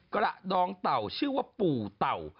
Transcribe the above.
กระดองเต่าชื่อว่าปู่เต่า